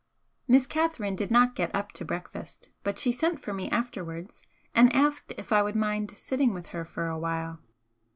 Miss Catherine did not get up to breakfast, but she sent for me afterwards and asked if I would mind sitting with her for a while.